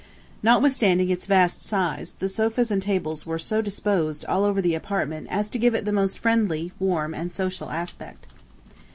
Notwithstanding its vast size, the sofas and tables were so disposed all over the apartment as to give it the most friendly, warm, and social aspect.